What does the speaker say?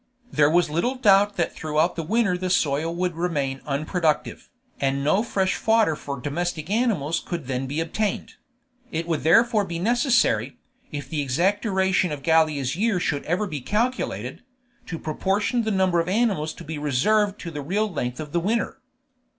There was little doubt that throughout the winter the soil would remain unproductive, and no fresh fodder for domestic animals could then be obtained; it would therefore be necessary, if the exact duration of Gallia's year should ever be calculated, to proportion the number of animals to be reserved to the real length of the winter.